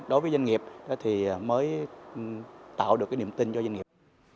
đối với doanh nghiệp thì mới tạo được cái niềm tin cho doanh nghiệp